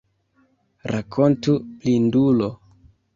Rakontu, blindulo!